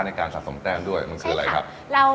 ในการสะสมแบบด้วยมันคือไร